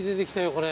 これ。